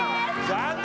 残念！